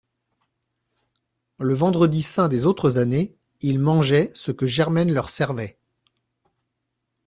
Le vendredi saint des autres années, ils mangeaient ce que Germaine leur servait.